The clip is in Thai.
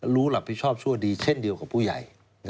รับผิดชอบชั่วดีเช่นเดียวกับผู้ใหญ่